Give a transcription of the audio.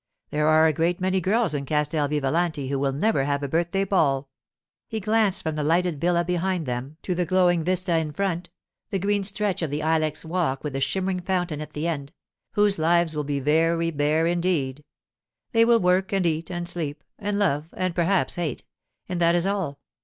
There are a great many girls in Castel Vivalanti who will never have a birthday ball'—he glanced from the lighted villa behind them to the glowing vista in front, the green stretch of the ilex walk with the shimmering fountain at the end—'whose lives will be very bare, indeed. They will work and eat and sleep, and love and perhaps hate, and that is all.